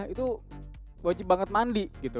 itu wajib banget mandi gitu